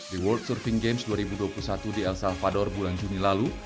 di world surfing games dua ribu dua puluh satu di el salvador bulan juni lalu